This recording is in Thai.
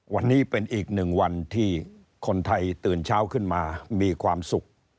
วันนี้เป็นอีกหนึ่งวันที่คนไทยตื่นเช้าขึ้นมามีความสุข